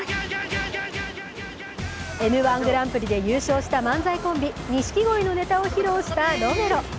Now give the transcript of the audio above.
Ｍ−１グランプリで優勝した漫才コンビ、錦鯉のネタを披露したロメロ。